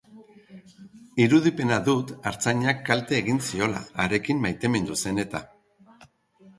Irudipena dut artzainak kalte egin ziola, harekin maitemindu zen eta.